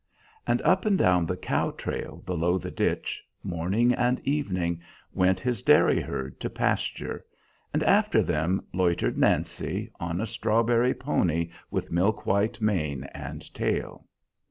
And up and down the cow trail below the ditch, morning and evening, went his dairy herd to pasture; and after them loitered Nancy, on a strawberry pony with milk white mane and tail.